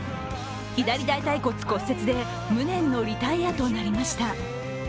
左大たい骨骨折で無念のリタイアとなりました。